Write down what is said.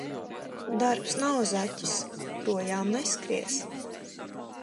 Darbs nav zaķis – projām neskries.